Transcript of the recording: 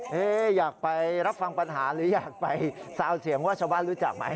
อยากไปรับฟังปัญหาหรืออยากไปซาวเสียงว่าชาวบ้านรู้จักไหม